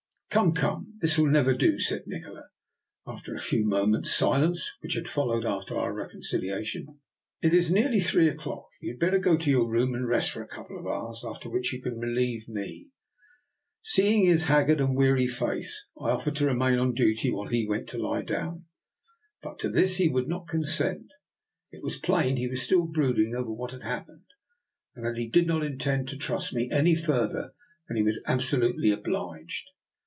" Come, come, this will never do," said Nikola, after a few moments' silence which had followed after our reconciliation. " It is DR. NIKOLA'S EXPERIMENT. 20S nearly three o'clock. You had better go to your room and rest for a couple of hours, after which you can relieve me/' Seeing his haggard and weary face, I of fered to remain on duty while he went to lie down, but to this he would not consent. It was plain he was still brooding over what had happened, and that he did not intend to trust me any further than he was absolutely obliged.